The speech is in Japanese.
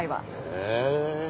へえ。